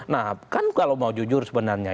nah kan kalau mau jujur sebenarnya